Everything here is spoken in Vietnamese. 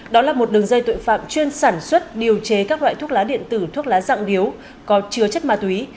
đó là một đường dây tội phạm chuyên sản xuất điều chế các loại thuốc lá điện tử thuốc lá dạng điếu có chứa chất ma túy